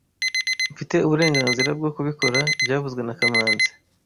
Mfite uburenganzira bwo kubikora byavuzwe na kamanzi